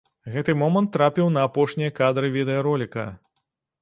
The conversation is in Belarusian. Гэты момант трапіў на апошнія кадры відэароліка.